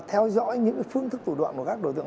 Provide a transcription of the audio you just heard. theo dõi những phương thức thủ đoạn của các đối tượng